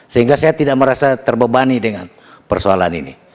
sehingga saya tidak merasa terbebani dengan persoalan ini